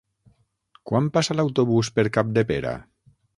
Quan passa l'autobús per Capdepera?